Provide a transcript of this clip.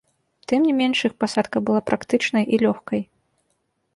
Тым не менш, іх пасадка была практычнай і лёгкай.